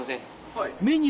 はい。